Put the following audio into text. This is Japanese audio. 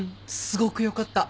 すごく良かった。